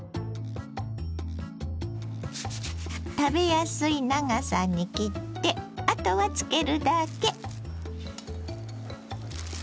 食べやすい長さに切ってあとは漬けるだけ。